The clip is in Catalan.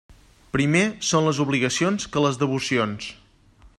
Primer són les obligacions que les devocions.